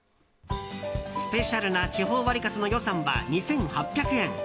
スペシャルな地方ワリカツの予算は２８００円。